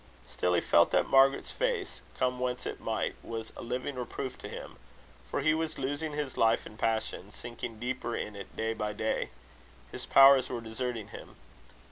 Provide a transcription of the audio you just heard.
Still he felt that Margaret's face, come whence it might, was a living reproof to him; for he was losing his life in passion, sinking deeper in it day by day. His powers were deserting him.